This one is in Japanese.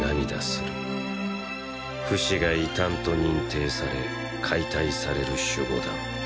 フシが異端と認定され解体される守護団。